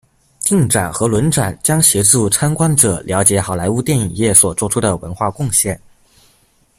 定展和轮展将协助参观者瞭解好莱坞电影业所作出的文化贡献。